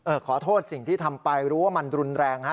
ขอโทษสิ่งที่ทำไปรู้ว่ามันรุนแรงฮะ